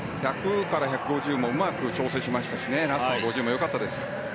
１００から１５０もうまく調整しましたしラストの５０もよかったです。